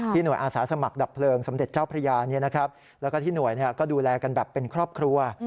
หน่วยอาสาสมัครดับเพลิงสมเด็จเจ้าพระยาแล้วก็ที่หน่วยก็ดูแลกันแบบเป็นครอบครัว